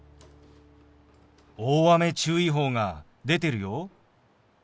大雨注意報が出てるよ。